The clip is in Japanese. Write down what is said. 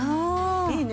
いいね。